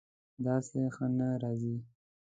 داسې ښه نه راځي